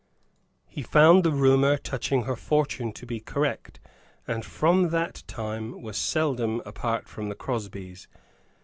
He found the rumor touching her fortune to be correct, and from that time was seldom apart from the Crosbys.